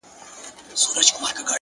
عاجزي د لویو انسانانو عادت دی,